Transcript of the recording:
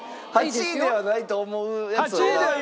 ８位ではないと思うやつを。